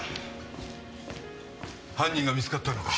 犯人が見つかったのか？